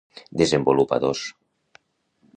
Desenvolupadors.